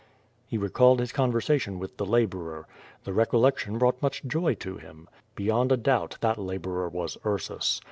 He recalled his conversation with the laborer. The recol lection brought much joy to him. Beyond a doubt that la borer was Ursus.